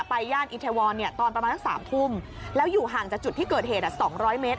ย่านอิทวรเนี่ยตอนประมาณสักสามทุ่มแล้วอยู่ห่างจากจุดที่เกิดเหตุสองร้อยเมตร